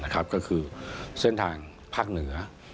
ก็คือเส้นทางภาคเหนือ